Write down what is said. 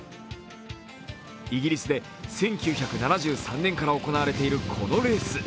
イギリスで１９７３年から行われているこのレース。